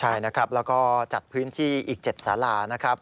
ใช่นะครับแล้วก็จัดพื้นที่อีก๗สาลานะครับ